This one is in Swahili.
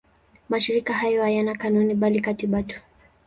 Mashirika hayo hayana kanuni bali katiba tu.